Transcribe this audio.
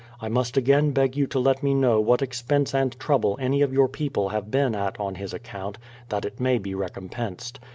I must again beg you to let me know what expense and trouble any of your people have been at on his account, tliat it maj' be recompensed.